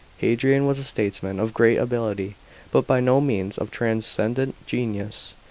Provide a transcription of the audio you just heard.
§ 4. Hadrian was a statesman of great ability, but by no means of transcendent genius.